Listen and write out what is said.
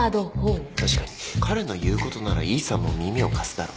確かに彼の言うことならイーサンも耳を貸すだろう。